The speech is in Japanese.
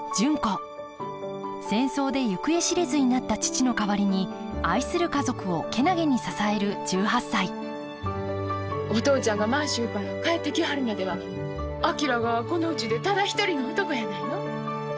戦争で行方知れずになった父の代わりに愛する家族を健気に支える１８歳お父ちゃんが満州から帰ってきはるまでは昭がこのうちでただ一人の男やないの。